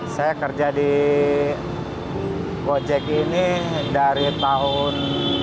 saya kerja di gojek ini dari tahun dua ribu enam belas